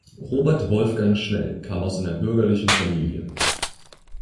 Robert Wolfgang Schnell kam aus einer bürgerlichen Familie.